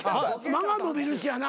間が延びるしやな